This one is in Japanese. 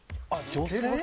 女性？